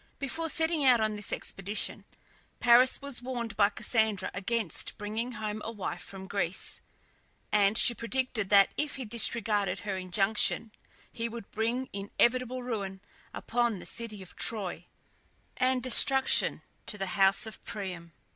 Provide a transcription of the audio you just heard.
Before setting out on this expedition, Paris was warned by Cassandra against bringing home a wife from Greece, and she predicted that if he disregarded her injunction he would bring inevitable ruin upon the city of Troy, and destruction to the house of Priam.